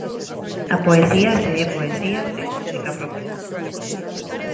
A poesía, se é poesía, ten música propia.